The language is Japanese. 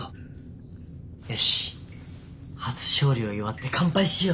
よし初勝利を祝って乾杯しよう！